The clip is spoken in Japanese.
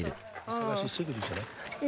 忙しすぎるじゃない？